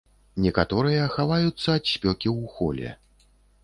Некаторыя хаваюцца ад спёкі ў холе.